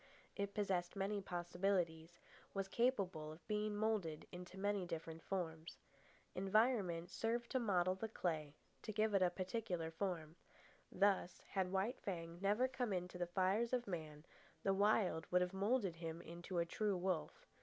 It possessed many possibilities, was capable of being moulded into many different forms. Environment served to model the clay, to give it a particular form. Thus, had White Fang never come in to the fires of man, the Wild would have moulded him into a true wolf.